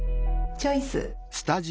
チョイス！